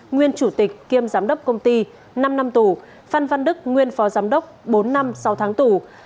nguyên chủ tịch kiêm giám đốc công ty năm năm tù phan văn đức nguyên phó giám đốc bốn năm sáu tháng tù